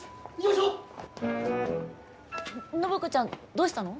暢子ちゃんどうしたの？